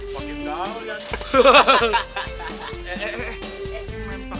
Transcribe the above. pakin gaul ya